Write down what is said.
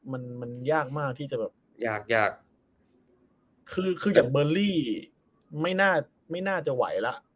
มันมันยากมากที่จะแบบอยากอยากคือคืออย่างเบอร์รี่ไม่น่าจะไหวแล้ว